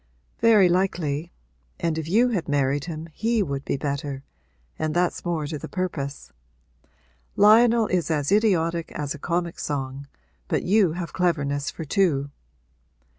'Very likely; and if you had married him he would be better, and that's more to the purpose. Lionel is as idiotic as a comic song, but you have cleverness for two.'